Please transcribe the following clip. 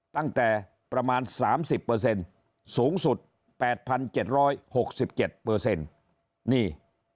ตั้งแต่ประมาณ๓๐สูงสุด๘๗๖๗นี่